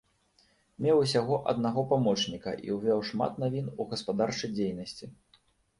Меў усяго аднаго памочніка і увёў шмат навін у гаспадарчай дзейнасці.